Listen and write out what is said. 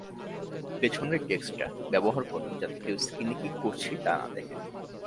পেছনের ডেস্কটা ব্যবহার করব যাতে কেউ স্ক্রিনে কী করছি, তা না দেখে।